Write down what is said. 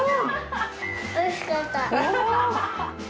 おいしかった。